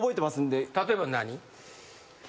例えば何？